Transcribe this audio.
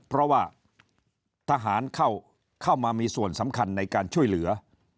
เพราะว่าทหารเข้ามามีส่วนสำคัญในการช่วยเหลือ